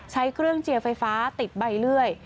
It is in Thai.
ใช้เครื่องเจียร์ไฟฟ้าติดใบเลื่อย